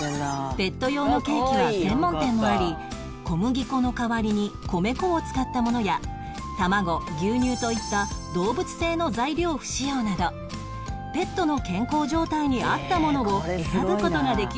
ペット用のケーキは専門店もあり小麦粉の代わりに米粉を使ったものや卵牛乳といった動物性の材料不使用などペットの健康状態に合ったものを選ぶ事ができるんだとか